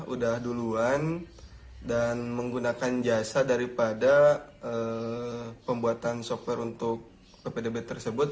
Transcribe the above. udah duluan dan menggunakan jasa daripada pembuatan software untuk ppdb tersebut